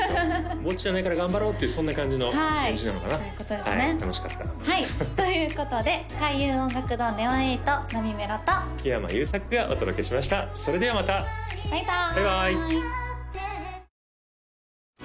ぼっちじゃないから頑張ろうってそんな感じのエンジンなのかなということでね楽しかったということで開運音楽堂ＮＥＯ８なみめろと木山裕策がお届けしましたそれではまたバイバーイ！